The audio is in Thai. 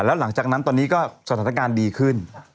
แล้วหลังจากนั้นตอนนี้ก็สถานการณ์ดีขึ้น